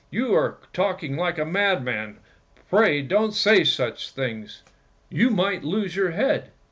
" You are talking like a, madman; pray don't say such things, you might lose your head!